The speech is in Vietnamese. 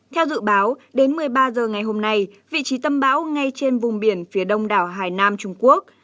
theo dự báo đến một mươi ba h ngày hôm nay vị trí tâm bão ngay trên vùng biển phía đông đảo hải nam trung quốc